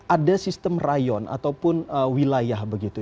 ada sistem rayon ataupun wilayah begitu